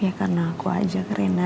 ya karena aku ajak rena